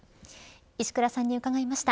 石倉さんに伺いました。